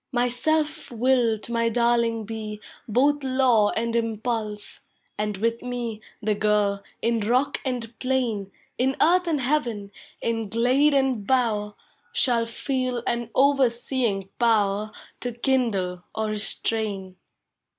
" Myself will to my darling he Roth law and impulse; and with me The girl, in rock and plain. In earth and heaven, in glade and bower, Shall feel an overseeing power To kindle or restrain.